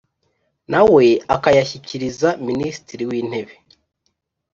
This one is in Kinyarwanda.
nawe akayashyikiriza minisitiri wi ntebe